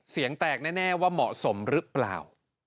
เสียงแตกแน่ว่าเหมาะสมหรือเปล่า